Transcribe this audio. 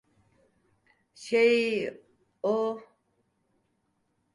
Şey, o…